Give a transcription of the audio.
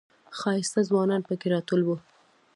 ښایسته ځوانان پکې راټول و.